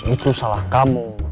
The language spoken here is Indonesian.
itu salah kamu